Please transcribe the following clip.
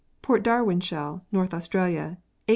Port Darwin shell (North Australia), 8 9.